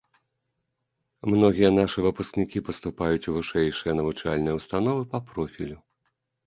Многія нашы выпускнікі паступаюць у вышэйшыя навучальныя ўстановы па профілю.